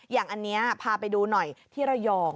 อย่างอันนี้พาไปดูหน่อยที่ระยอง